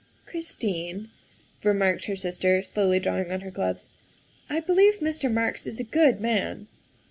" Christine," remarked her sister, slowly drawing on her gloves, '' I believe Mr. Marks is a good man.